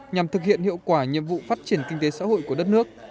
nhằm thực hiện hiệu quả nhiệm vụ phát triển kinh tế xã hội của đất nước